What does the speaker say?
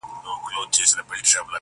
هم په لوبو هم په ټال کي پهلوانه-